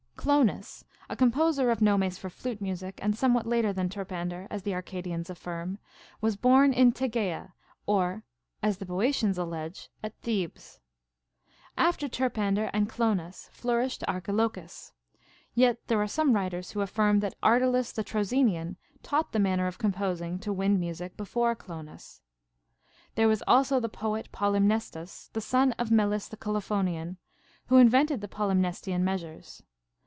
Clonas, a composer of nomes for flute music, and somewhat later than Terpan der, as the Arcadians affirm, Avas born in Tegea or, as the Boeotians allege, at Thebes. After Terpander and Clonas flourished Archilochus ; yet there are some writers who affirm, that Ardalus the Troezenian taught the manner of composing to wind music before Clonas. There was also the poet Polymnestus, the son of Meles the Colophonian, who iuA^ented the Polymnestian measures.